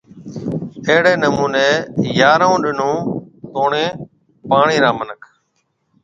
اهڙيَ نمونيَ يارهون ڏنون توڻِي پاݪيَ را منک